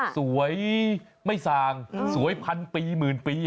สวยไม่สางสวย๑๐๐๐ปี๑๐๐๐๐ปี